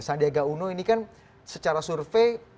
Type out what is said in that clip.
sandiaga uno ini kan secara survei